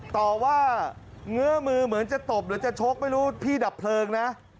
ต่อว่าเงื้อมือเหมือนจะตบหรือจะชกไม่รู้พี่ดับเพลิงนะ